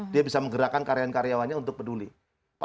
dia bisa menggerakan karyawan karyawannya untuk berkumpul